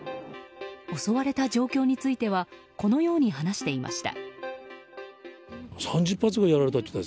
襲われた状況についてはこのように話していました。